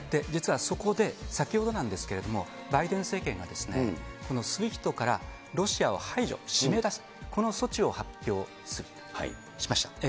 実はそこで、先ほどなんですけれども、バイデン政権がこのＳＷＩＦＴからロシアを排除、閉めだす、この措置を発表しました。